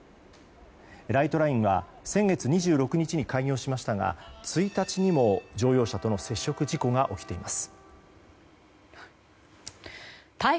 ライトラインは先月２６日に開業しましたが１日にも乗用車との接触事故が起きています。